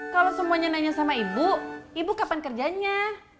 kalau semuanya nanya sama ibu ibu kapan kerjanya